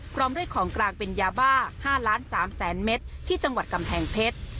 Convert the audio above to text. พร้อมด้วยของกลางเป็นยาบ้า๕ล้าน๓แสนเมตรที่จังหวัดกำแพงเพชร